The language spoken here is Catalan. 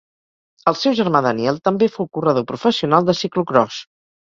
El seu germà Daniel també fou corredor professional de ciclocròs.